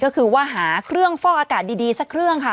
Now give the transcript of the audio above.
ก็คือว่าหาเครื่องฟอกอากาศดีสักเครื่องค่ะ